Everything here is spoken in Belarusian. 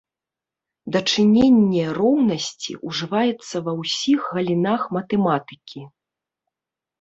Дачыненне роўнасці ўжываецца ва ўсіх галінах матэматыкі.